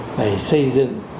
phải xây dựng